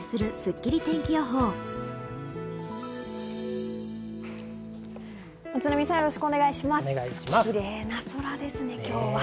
キレイな空ですね、今日は。